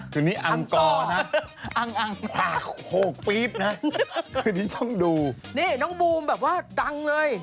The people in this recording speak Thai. คืนนี้ต้องดูนะอังกรนะคืนนี้ต้องดูนะคืนนี้ต้องดูนี่น้องบูมแบบว่าดังเลย